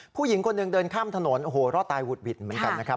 ผู้หญิงคนหนึ่งเดินข้ามถนนโอ้โหรอดตายหุดหวิดเหมือนกันนะครับ